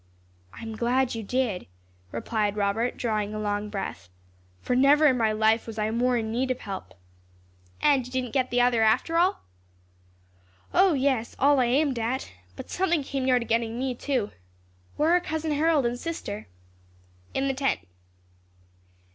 "I am glad you did," replied Robert, drawing a long breath, "for never in my life was I more in need of help." "And you didn't get the other after all?" "O, yes, all I aimed at. But something came near getting me, too. Where are Cousin Harold and sister?" "In the tent."